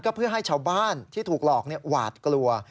เพื่อให้ชาวบ้านที่ถูกหลอกหวาดกลัว